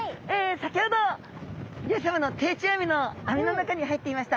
先ほど漁師さまの定置網の網の中に入っていました